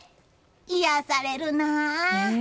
癒やされるなあ。